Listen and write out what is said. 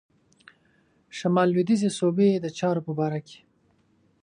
شمال لوېدیځي صوبې د چارو په باره کې.